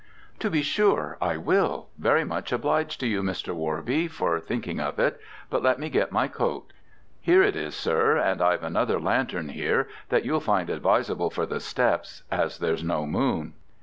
"To be sure I will; very much obliged to you, Mr. Worby, for thinking of it, but let me get my coat." "Here it is, sir, and I've another lantern here that you'll find advisable for the steps, as there's no moon."